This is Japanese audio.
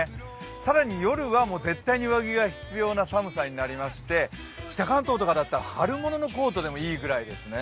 更に夜は絶対に上着が必要な寒さになりまして、北関東とかだったら春物のコートとかでもいいくらいですね。